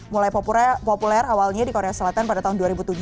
mulai populer awalnya di korea selatan pada tahun dua ribu tujuh belas